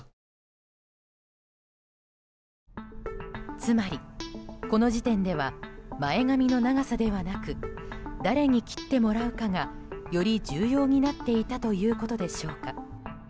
つまり、この時点では前髪の長さではなく誰に切ってもらうかがより重要になっていたということでしょうか。